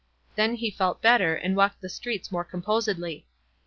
Then he felt better, and walked the streets more composedly.